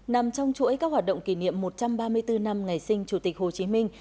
nằm trong chuỗi các hoạt động kỷ niệm một trăm ba mươi bốn năm ngày sinh chủ tịch hồ chí minh